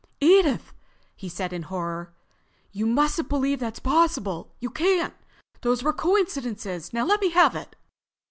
"Edith!" he said in horror. "You mustn't believe that's possible. You can't. Those were coincidences. Now let me have it."